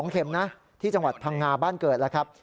๒เข็มนะที่จังหวัดพังงาบ้านเกิดแล้วครับ